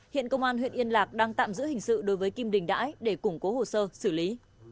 hiện công an huyện yên lạc đang tạm giữ hình sự đối với kim đình đãi để củng cố hồ sơ xử lý